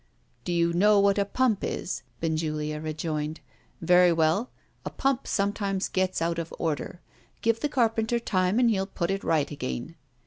"Do you know what a pump is?" Benjulia rejoined. "Very well; a pump sometimes gets out of order. Give the carpenter time, and he'll put it right again."